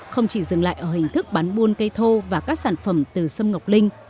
không chỉ dừng lại ở hình thức bán buôn cây thô và các sản phẩm từ sâm ngọc linh